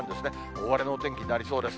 大荒れのお天気になりそうです。